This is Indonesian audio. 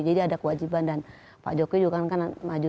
jadi ada kewajiban dan pak jokowi juga kan kan maju